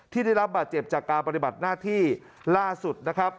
ที่ได้รับบาดเจ็บจากการปฏิบัติหน้าที่ล่าสุดนะครับ